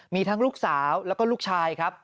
มีทั้งลูกสาวแล้วก็ลูกชายครับ